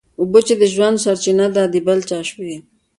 اوبه چي د ژوند سرچینه ده د بل چا شوې.